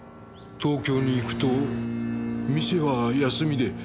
東京に行くと店は休みで。